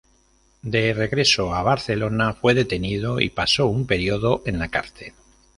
De regreso a Barcelona fue detenido y pasó un período en la cárcel.